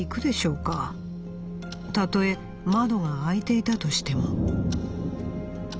たとえ窓が開いていたとしても』」。